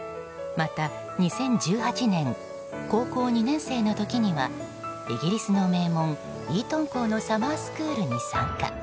また２０１８年高校２年生の時にはイギリスの名門、イートン校のサマースクールに参加。